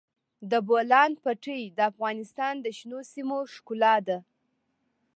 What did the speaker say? د بولان پټي د افغانستان د شنو سیمو ښکلا ده.